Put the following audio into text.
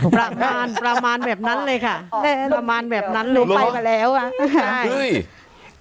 ประมาณประมาณแบบนั้นเลยค่ะประมาณแบบนั้นรู้ไปกว่าแล้วอ่ะจริง